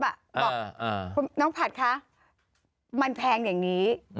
บอกน้องผัดคะมันแพงอย่างนี้